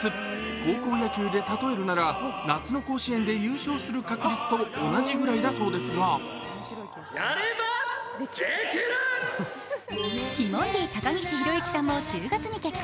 高校野球で例えるなら夏の甲子園で優勝する確率と同じぐらいだそうですがティモンディ・高岸宏行さんも１０月に結婚。